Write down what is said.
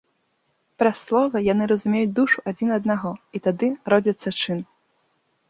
Праз слова яны разумеюць душу адзін аднаго, і тады родзіцца чын.